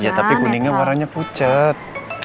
ya tapi kuningnya warnanya pucat